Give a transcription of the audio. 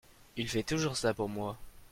Il fait toujours ça pour moi.